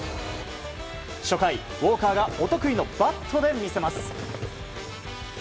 初回、ウォーカーがお得意のバットで魅せます。